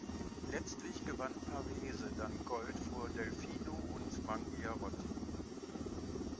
Letztlich gewann Pavese dann Gold vor Delfino und Mangiarotti.